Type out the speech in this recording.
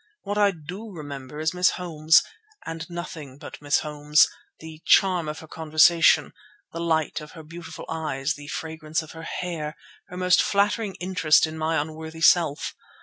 What I do remember is Miss Holmes, and nothing but Miss Holmes; the charm of her conversation, the light of her beautiful eyes, the fragrance of her hair, her most flattering interest in my unworthy self.